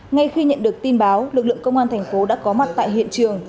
ngay khi nhận được tin báo lực lượng công an tp đã có mặt tại hiện trường